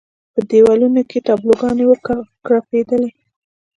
په دېوالونو کې تابلو ګانې وکړپېدلې.